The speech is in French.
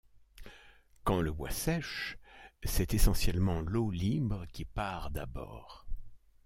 Quand le bois sèche, c'est essentiellement l'eau libre qui part d'abord.